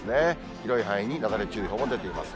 広い範囲に雪崩注意報も出ています。